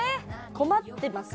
困ってます